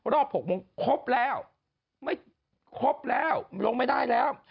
๖โมงครบแล้วไม่ครบแล้วลงไม่ได้แล้ว